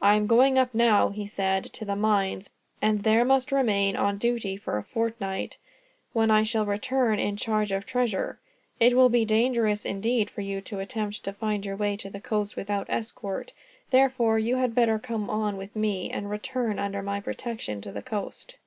"I am going up now," he said, "to the mines, and there must remain on duty for a fortnight, when I shall return in charge of treasure. It will be dangerous, indeed, for you to attempt to find your way to the coast without escort. Therefore you had better come on with me, and return under my protection to the coast."